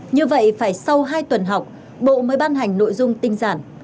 như vậy phải sau hai tuần học bộ mới ban hành nội dung tinh giản